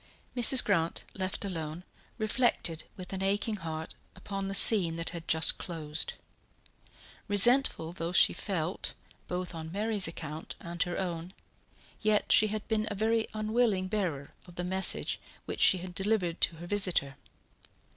Mrs. Grant, left alone, reflected with an aching heart upon the scene that had just closed. Resentful though she felt both on Mary's account and her own, yet she had been a very unwilling bearer of the message which she had delivered to her visitor.